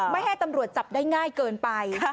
ไม่ให้ตำรวจจับได้ง่ายเกินไป